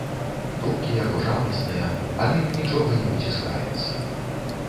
Думкі яго жаласныя, але нічога не выціскаецца.